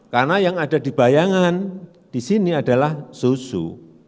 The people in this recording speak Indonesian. karena yang ada di bayangan di sini adalah susu